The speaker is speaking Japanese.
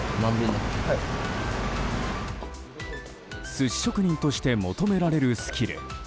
寿司職人として求められるスキル。